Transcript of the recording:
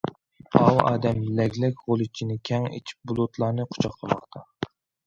ئاۋۇ ئادەم لەگلەك غۇلىچىنى كەڭ ئېچىپ بۇلۇتلارنى قۇچاقلىماقتا.